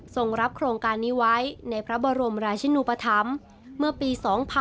ส่งรับโครงการนี้ไว้ในพระบรมราชินุปธรรมเมื่อปี๒๕๖๒